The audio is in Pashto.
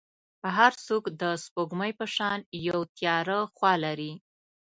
هر څوک د سپوږمۍ په شان یو تیاره خوا لري.